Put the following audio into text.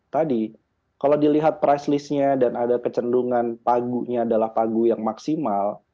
tadi kalau dilihat price listnya dan ada kecendungan pagunya adalah pagu yang maksimal